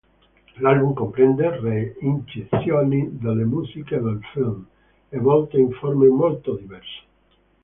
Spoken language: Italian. L'album comprende re-incisioni delle musiche del film, a volte in forme molto diverse.